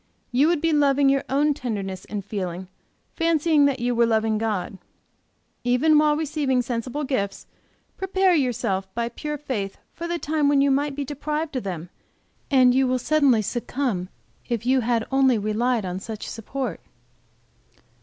You would be loving your own tenderness and feeling, fancying that you were loving God. Even while receiving sensible gifts, prepare yourself by pure faith for the time when you might be deprived of them and you will suddenly succumb if you had only relied on such support.